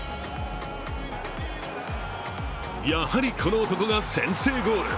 やはりこの男が先制ゴール。